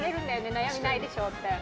悩みないでしょって。